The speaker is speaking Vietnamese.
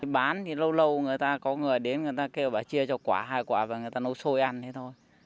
bán thì lâu lâu người ta có người đến người ta kêu và chia cho quả hai quả và người ta nấu sôi ăn thế thôi